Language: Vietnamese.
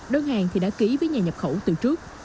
đơn hàng thì đã ký với nhà nhập khẩu từ trước